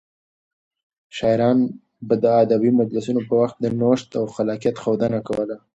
شاعران به د ادبي مجلسونو په وخت د نوښت او خلاقيت ښودنه کوله.